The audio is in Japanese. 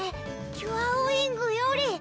キュアウィングより」